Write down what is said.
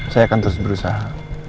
saya akan terus berusaha